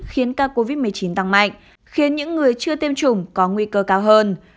khiến ca covid một mươi chín tăng mạnh khiến những người chưa tiêm chủng có nguy cơ cao hơn